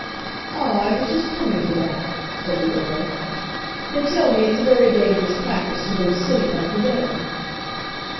"Ah, I was just coming to that," said the earl. "They tell me it's a very dangerous practice to go to sleep after dinner."